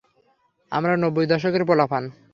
আমরা নব্বই দশকের পোলাপান।